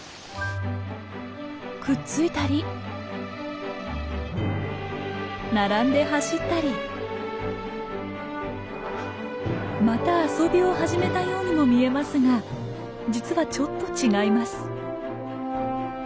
くっついたり並んで走ったりまた遊びを始めたようにも見えますが実はちょっと違います。